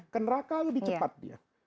keneraka lebih cepat dia